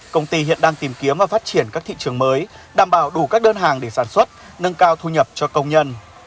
công ty hiện đang tìm kiếm và phát triển các thị trường mới đảm bảo đủ các đơn hàng để sản xuất nâng cao thu nhập cho công nhân